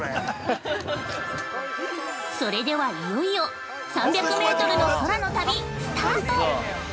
◆それではいよいよ３００メートルの空の旅スタート！